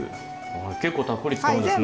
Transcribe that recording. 結構たっぷり使うんですね。